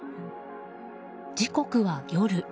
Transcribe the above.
時刻は夜。